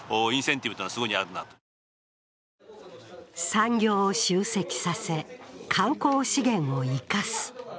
産業を集積させ、観光資源を生かす。